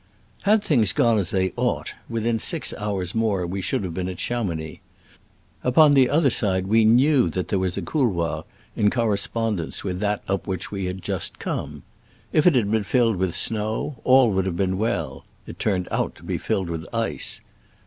Had things gone as they ought, with in six hours more we should have been at Chamounix. Upon the other side we knew that there was a couloir in corre spondence with that up which we had just come. If it had been filled with snow, all would have been well : it turn ed out to be filled with ice.